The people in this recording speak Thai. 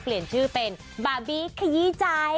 เปลี่ยนชื่อเป็นบาร์บี้ขยี้ใจ